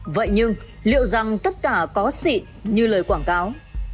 vậy nhưng liệu rằng tất cả có xịn như lời quảng cáo